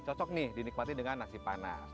cocok nih dinikmati dengan nasi panas